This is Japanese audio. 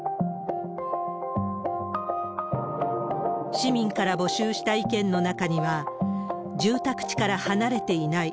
市民から募集した意見の中には、住宅地から離れていない。